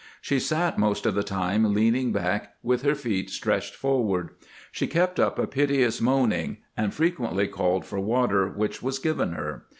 She sat most of the time leaning back, with her feet stretched forward. She kept up a piteous moaning, and frequently called for water, which was given her.